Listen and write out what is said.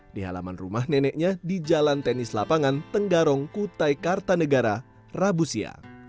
di halaman rumah neneknya di jalan tenis lapangan tenggarong kutai kartanegara rabu siang